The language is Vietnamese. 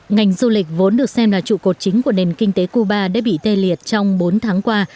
ngành du lịch vốn được xem là trụ cột chính của nền kinh tế cuba đã bị tê liệt trong bốn tháng qua